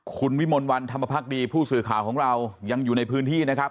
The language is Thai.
คุณวิมลวันธรรมพักดีผู้สื่อข่าวของเรายังอยู่ในพื้นที่นะครับ